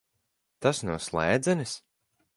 Tas no slēdzenes?